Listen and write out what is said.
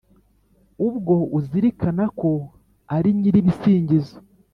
ubwo uzirikana ko ari nyiribisingizo?